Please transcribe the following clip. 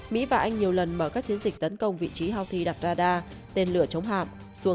mỹ và anh nhiều lần mở các chiến dịch tấn công vị trí houthi đặt rada tên lửa chống hạm xuống